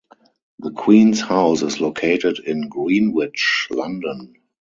The Queen's House is located in Greenwich, London.